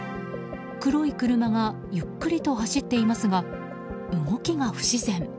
黒い車がゆっくりと走っていますが動きが不自然。